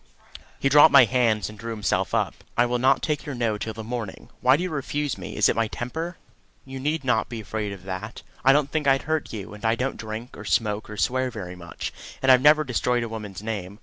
He dropped my hands and drew himself up. "I will not take your No till the morning. Why do you refuse me? Is it my temper? You need not be afraid of that. I don't think I'd hurt you; and I don't drink, or smoke, or swear very much; and I've never destroyed a woman's name.